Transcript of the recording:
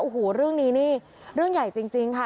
โอ้โหเรื่องนี้นี่เรื่องใหญ่จริงค่ะ